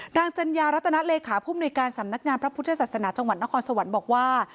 จัญญารัตนเลขาผู้มนุยการสำนักงานพระพุทธศาสนาจังหวัดนครสวรรค์บอกว่า